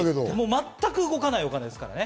全く動かないお金ですからね。